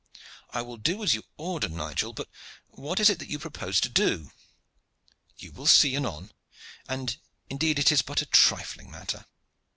"I will do as you order, Nigel; but what is it that you propose to do?" "You will see anon, and indeed it is but a trifling matter.